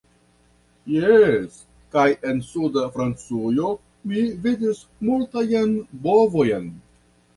Jes, kaj en suda Francujo mi vidis multajn bovojn..